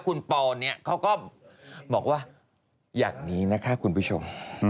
คุณโป้ลหลังไหว้เป็นบอกว่าอย่างนี้นะคะคุณผู้ชม